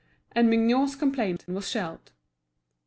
And Mignot's complaint was shelved.